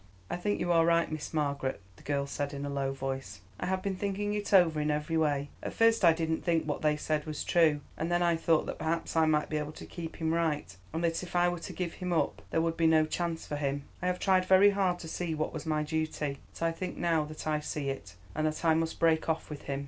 "I think you are right, Miss Margaret," the girl said, in a low voice. "I have been thinking it over in every way. At first I didn't think what they said was true, and then I thought that perhaps I might be able to keep him right, and that if I were to give him up there would be no chance for him. I have tried very hard to see what was my duty, but I think now that I see it, and that I must break off with him.